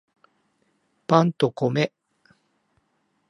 パンと米